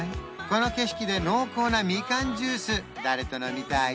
この景色で濃厚なみかんジュース誰と飲みたい？